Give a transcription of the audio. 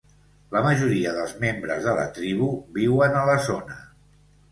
La majoria dels membres de la tribu viuen a la zona.